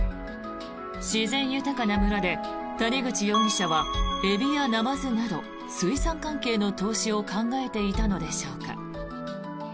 自然豊かな村で谷口容疑者はエビやナマズなど水産関係の投資を考えていたのでしょうか。